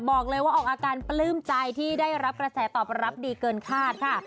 บอกเลยว่าออกอาการปลื้มใจที่ได้รับกระแสตอบรับดีเกินคาดค่ะ